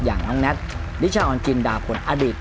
อย่างน้องแน็ตนิชาออนจินดาคนอดีต